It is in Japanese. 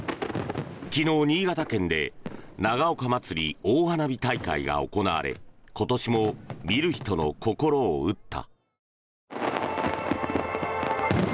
昨日、新潟県で長岡まつり大花火大会が行われ今年も見る人の心を打った。